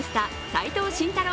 齋藤慎太郎